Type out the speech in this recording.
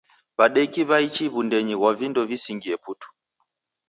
Wadeki waichi wundenyi ghwa vindo visingie putu.